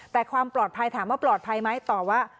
แต่ความปลอดภัยถามว่าปลอดภัยไหมตอบว่า